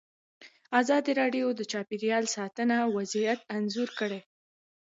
ازادي راډیو د چاپیریال ساتنه وضعیت انځور کړی.